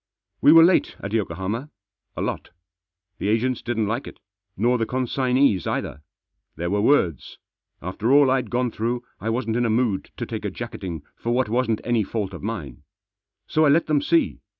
We were late at Yokohama. A lot. The agents didn't like it, nor the consignees either. There were words. After all I'd gone through I wasn't in a mood to take a jacketing for what wasn't any fault of mine. So I let them see.